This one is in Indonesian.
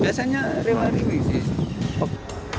biasanya lewat ribu sih